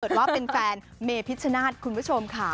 เชิญว่าเป็นแฟนเมย์ผิดชะนาฏคุณผู้ชมค่ะ